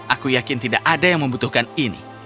aku yakin tidak ada yang membutuhkan ini